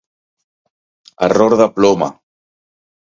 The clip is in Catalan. Error de ploma.